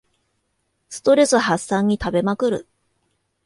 ストレス発散に食べまくる